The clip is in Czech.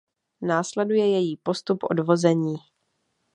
Následuje její postup odvození.